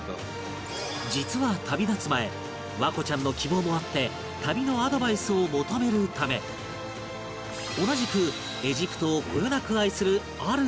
実は旅立つ前環子ちゃんの希望もあって旅のアドバイスを求めるため同じくエジプトをこよなく愛するある人物と